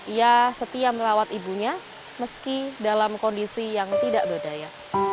ia setia merawat ibunya meski dalam kondisi yang tidak berdaya